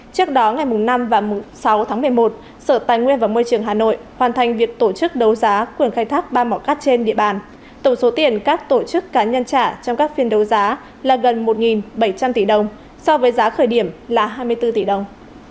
trước đó ngày năm và sáu tháng một mươi một sở tài nguyên và môi trường hà nội hoàn thành việc tổ chức đấu giá quyền khai thác ba mỏ cát trên địa bàn tổng số tiền các tổ chức cá nhân trả trong các phiên đấu giá là gần một bảy trăm linh tỷ đồng so với giá khởi điểm là hai mươi bốn tỷ đồng